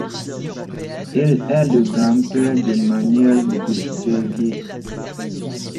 Il est le grand-père d'Emmanuel de Serviez.